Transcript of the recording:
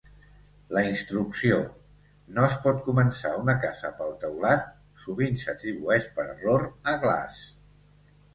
La instrucció "No es pot començar una casa pel teulat" sovint s'atribueix per error a Glasse.